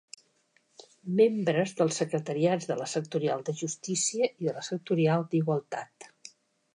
Membre dels Secretariats de la Sectorial de Justícia i de la Sectorial d’Igualtat.